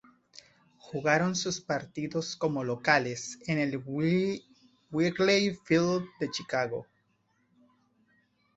Jugaron sus partidos como locales en el Wrigley Field de Chicago.